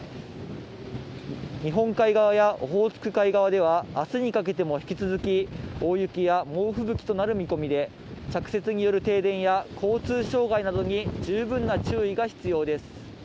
日本海側やオホーツク海側では、あすにかけても引き続き、大雪や猛吹雪となる見込みで、着雪による停電や、交通障害などに十分な注意が必要です。